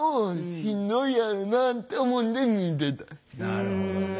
なるほどね。